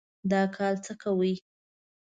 دا کال څه کوئ؟